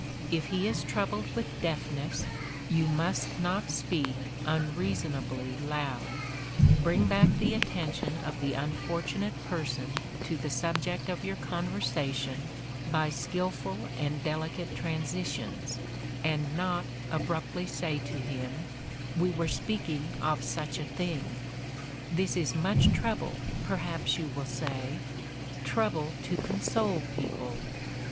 If he is troubled with deafness, you must not speak unreasonably loud; bring back the attention of the unfortunate person to the subject of your conversation by skilful and delicate transitions, and not abruptly say to him, We were speaking of such a thing. This is much trouble, perhaps you will say. Trouble to console people!